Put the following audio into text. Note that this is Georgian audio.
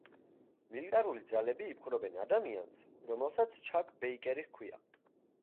მილიტარული ძალები იპყრობენ ადამიანს, რომელსაც ჩაკ ბეიკერი ჰქვია.